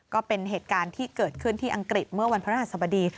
ก็เป็นเหตุการณ์ที่เกิดขึ้นที่อังกฤษเมื่อวันพระราชสบดี